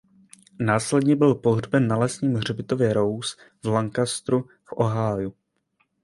Následně byl pohřben na lesním hřbitově Rose v Lancasteru v Ohiu.